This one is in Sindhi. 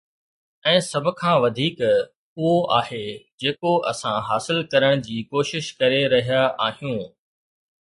۽ سڀ کان وڌيڪ، اهو آهي جيڪو اسان حاصل ڪرڻ جي ڪوشش ڪري رهيا آهيون